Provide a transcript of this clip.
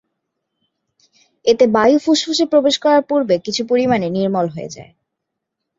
এতে বায়ু ফুসফুসে প্রবেশ করার পূর্বে কিছু পরিমাণে নির্মল হয়ে যায়।